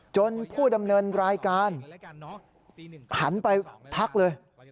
ผู้ดำเนินรายการหันไปทักเลย